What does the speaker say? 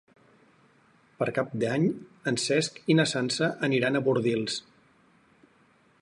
Per Cap d'Any en Cesc i na Sança aniran a Bordils.